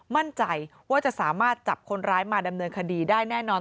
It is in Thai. มั่นใจว่าจะสามารถจับคนร้ายมาดำเนินคดีได้แน่นอน